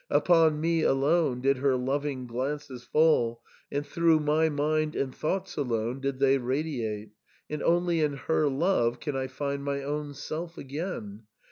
Upon me alone did her loving glances fall, and through my mind and thoughts alone did they radiate ; and only in her love can I find my own self again.